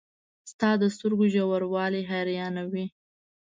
• ستا د سترګو ژوروالی حیرانوي.